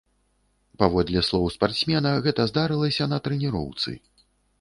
Паводле слоў спартсмена, гэта здарылася на трэніроўцы.